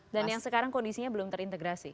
dan yang sekarang kondisinya belum terintegrasi